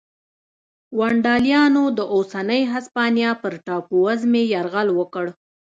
ونډالیانو د اوسنۍ هسپانیا پر ټاپو وزمې یرغل وکړ